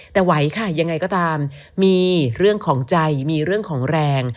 แต่ไหวค่ะยังไงก็ตามมีเรื่องของใจมีเรื่องของแรง